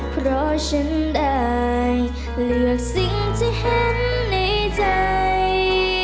เพราะฉันได้เลือกสิ่งที่เห็นในใจ